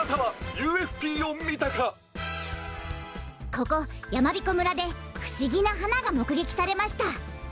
ここやまびこ村でふしぎなはながもくげきされました。